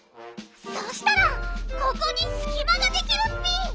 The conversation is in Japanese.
そしたらここにすきまができるッピ！